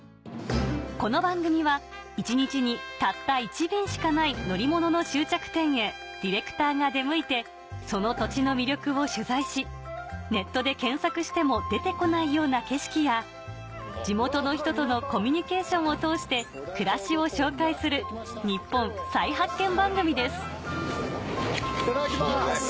この番組は１日にたった１便しかない乗り物の終着点へディレクターが出向いてその土地の魅力を取材しネットで検索しても出て来ないような景色や地元の人とのコミュニケーションを通して暮らしを紹介する日本再発見番組ですいただきます。